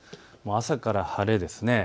朝から晴れですね。